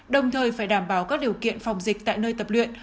đồng thời phải đảm bảo các điều kiện phòng dịch tại nơi tập luyện